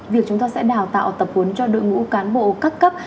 việc chúng ta sẽ đào tạo tập huấn cho đội ngũ cán bộ các cấp